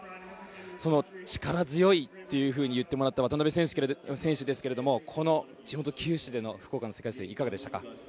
その力強いというふうに言ってもらった渡辺選手ですがこの地元・九州での世界水泳いかがでしたか。